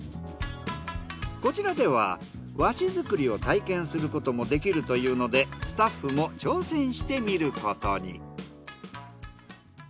こちらでは和紙作りを体験することもできるというのでスタッフも挑戦してみることに。